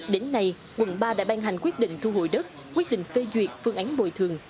đến nay quận ba đã ban hành quyết định thu hồi đất quyết định phê duyệt phương án bồi thường